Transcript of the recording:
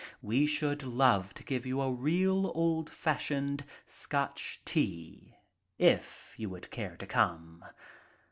We should love to give you a real old fashioned Scotch tea, if you would care to come.